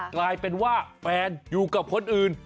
กลายเป็นว่าแฟนอยู่กับคนอื่น